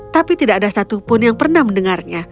tapi tidak ada satupun yang pernah mendengarnya